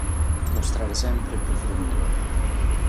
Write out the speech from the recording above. Mostrare sempre il profilo migliore.